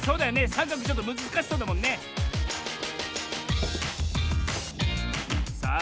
さんかくちょっとむずかしそうだもんねさあ